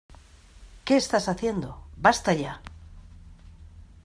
¿ Qué estás haciendo? ¡ basta ya!